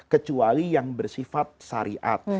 kecuali yang bersifat syariat